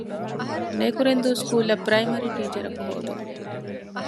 ނޭކުރެންދޫ ސްކޫލަށް ޕްރައިމަރީ ޓީޗަރަކު ހޯދުން